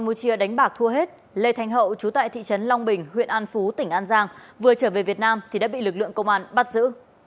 campuchia đánh bạc thua hết lê thanh hậu chú tại thị trấn long bình huyện an phú tỉnh an giang vừa trở về việt nam thì đã bị lực lượng công an bắt giữ